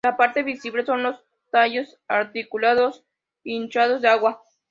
La parte visible son los tallos articulados, hinchados de agua.